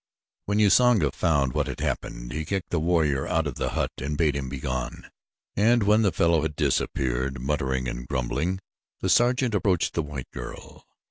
When Usanga found what had happened he kicked the warrior out of the hut and bade him begone, and when the fellow had disappeared, muttering and grumbling, the sergeant approached the white girl.